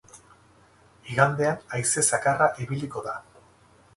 Igandean haize zakarra ibiliko da.